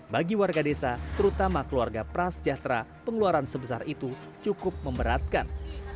bagi warga desa terutama keluarga prasejahtera pengeluaran sebesar itu cukup memberatkan